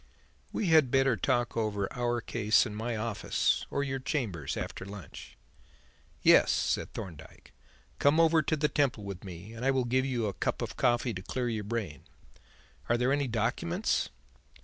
We had better talk over our case in my office or your chambers after lunch." "Yes," said Thorndyke, "come over to the Temple with me and I will give you a cup of coffee to clear your brain. Are there any documents?"